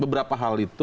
beberapa hal itu